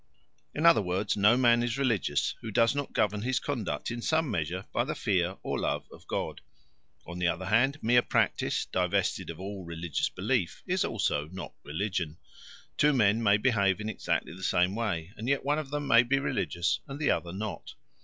In other words, no man is religious who does not govern his conduct in some measure by the fear or love of God. On the other hand, mere practice, divested of all religious belief, is also not religion. Two men may behave in exactly the same way, and yet one of them may be religious and the other not.